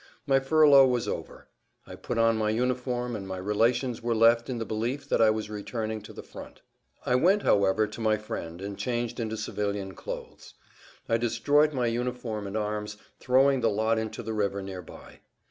My furlough was over. I put on my uniform, and my relations were left in the belief that I was returning to the front. I went, however, to my friend and changed into civilian clothes. I destroyed my uniform and arms, throwing the lot into the river near by.